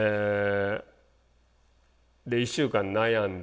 で１週間悩んで。